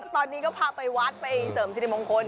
ตอนนี้ก็พาไปวัดไปเสริมสิริมงคล